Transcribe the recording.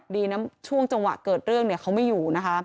ดีนะช่วงจังหวะเกิดเรื่องเขาไม่อยู่นะคะ